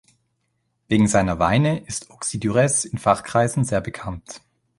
Wegen seiner Weine ist Auxey-Duresses in Fachkreisen sehr bekannt.